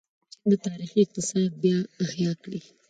چین د تاریخي اقتصاد بیا احیا کړې.